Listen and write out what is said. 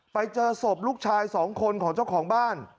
ไปเจอศพลูกชายสองคนของเจ้าของบ้าน